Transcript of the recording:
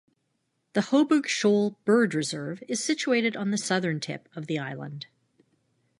The Hoburg Shoal bird reserve is situated on the southern tip of the island.